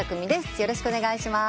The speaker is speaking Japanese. よろしくお願いします。